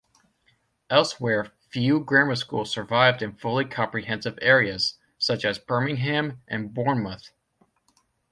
Elsewhere few grammar schools survived in fully comprehensive areas, such as Birmingham and Bournemouth.